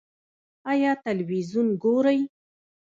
ایا تلویزیون ګورئ؟